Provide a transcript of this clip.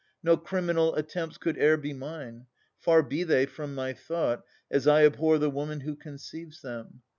No criminal attempts Could e'er be mine. Far be they from my thought, As I abhor the woman who conceives them!